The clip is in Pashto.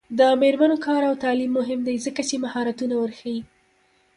د میرمنو کار او تعلیم مهم دی ځکه چې مهارتونه ورښيي.